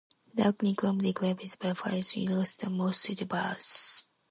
The Orkney-Cromarty group is by far the largest and most diverse.